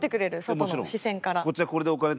外の視線から。